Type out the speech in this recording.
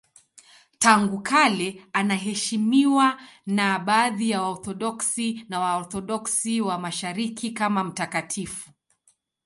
Tangu kale anaheshimiwa na baadhi ya Waorthodoksi na Waorthodoksi wa Mashariki kama mtakatifu.